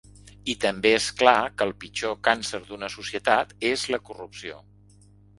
I també és clar que el pitjor càncer d’una societat és la corrupció.